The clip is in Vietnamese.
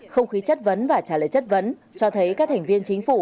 không khí chất vấn và trả lời chất vấn cho thấy các thành viên chính phủ